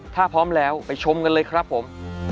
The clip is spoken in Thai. ถ้าพร้อมแล้วไปชมกันเลยครับผม